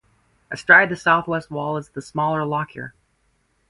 Astride the southwest wall is the smaller Lockyer.